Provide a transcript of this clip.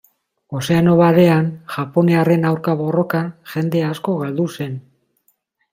Ozeano Barean, japoniarren aurka borrokan, jende asko galdu zen.